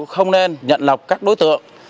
không nên nhận lọc các đối tượng